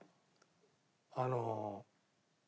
あの。